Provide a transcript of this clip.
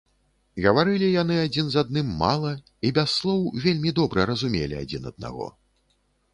Гаварылі яны адзін з адным мала і без слоў вельмі добра разумелі адзін аднаго.